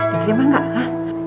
diterima gak mak